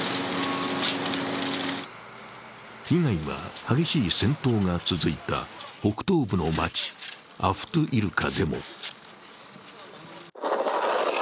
被害は激しい戦闘が続いた北東部の町アフトゥイルカでも。